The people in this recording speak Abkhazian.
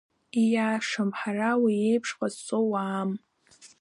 Ииашам, ҳара уи еиԥш ҟазҵо уаам.